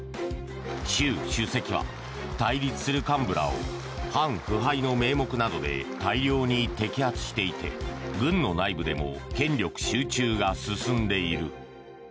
習主席は対立する幹部らを反腐敗の名目などで大量に摘発していて軍内部でも権力が集中している。